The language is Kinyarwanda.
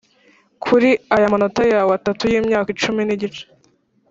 kuri aya manota yawe atatu yimyaka icumi nigice!